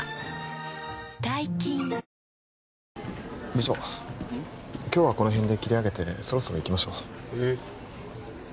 部長今日はこの辺で切り上げてそろそろ行きましょうえっ？